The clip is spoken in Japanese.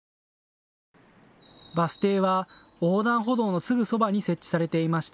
バス停は横断歩道のすぐそばに設置されていました。